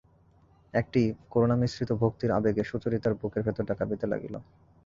একটি করুণামিশ্রিত ভক্তির আবেগে সুচরিতার বুকের ভিতরটা কাঁপিতে লাগিল।